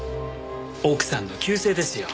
奥さんの旧姓ですよ。